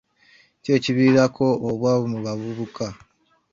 Ki ekiviirako obwavu mu bavubuka?